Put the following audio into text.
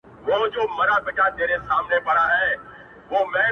د دنیا له کوره تاته ارمانجن راغلی یمه.!